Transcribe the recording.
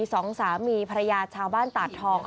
สองสามีภรรยาชาวบ้านตาดทอง